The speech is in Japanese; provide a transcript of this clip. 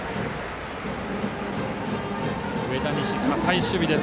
上田西、堅い守備です。